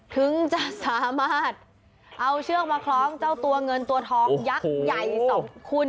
ถึงจะสามารถเอาเชือกมาคล้องเจ้าตัวเงินตัวทองยักษ์ใหญ่สองคน